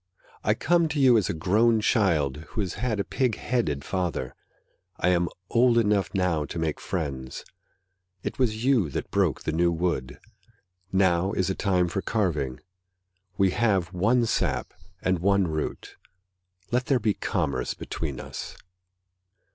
I come to you as a grown child Who has had a pig headed father; I am old enough now to make friends. It was you that broke the new wood, Now is a time for carving. We have one sap and one root Let there be commerce between us.